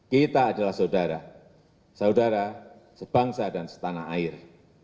kita adalah saudara saudara sebangsa dan setanah air